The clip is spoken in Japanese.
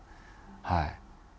はい。